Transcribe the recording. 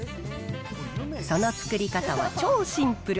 その作り方は超シンプル。